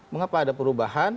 mengapa ada perubahan